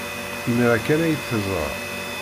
Imir-a kan ay t-teẓra.